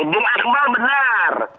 bung akmal benar